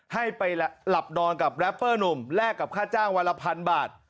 ให้ไปหลับนอนกับแรปเปอร์หนุ่มแลกกับค่าจ้างวันละพันบาท